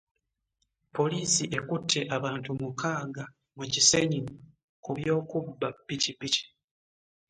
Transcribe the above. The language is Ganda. Poliisi ekutte abantu mukaaga mu Kisenyi ku by'okubba ppikipiki